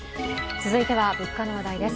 続いては、物価の話題です。